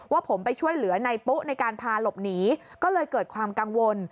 ว่าผมไปช่วยเหลือในปุ๊ในการพาหลบหนีก็เลยเกิดความกังวล